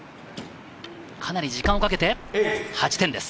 かなり時間をかけて、８点です。